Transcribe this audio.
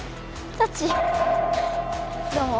どうも。